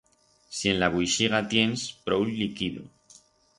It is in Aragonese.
Si en la vuixiga tiens prou liquido.